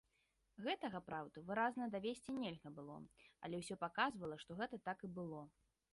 Гэтага, праўда, выразна давесці нельга было, але ўсё паказвала, што гэта так і было.